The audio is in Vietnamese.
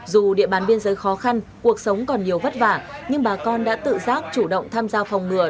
dù địa bàn biên giới khó khăn cuộc sống còn nhiều vất vả nhưng bà con đã tự giác chủ động tham gia phòng ngừa